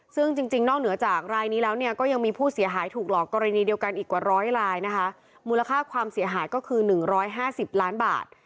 ซึ่งจริงนอกเหนือจากรายนี้แล้วเนี่ยก็ยังมีผู้เสียหายถูกหลอกกรณีเดียวกันอีกกว่าร้อยรายนะคะมูลค่าความเสียหายก็คือ๑๕๐ล้านบาท